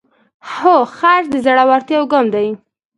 هر خرڅ د زړورتیا یو ګام دی.